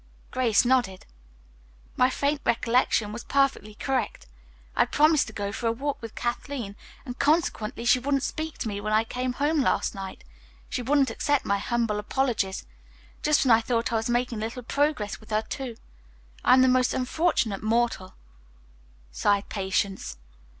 Grace nodded. "My faint recollection was perfectly correct. I had promised to go for a walk with Kathleen, and consequently she wouldn't speak to me when I came in last night. She wouldn't accept my humble apologies. Just when I thought I was making a little progress with her, too. I am the most unfortunate mortal," sighed Patience.